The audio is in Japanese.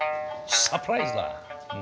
サプライズだ！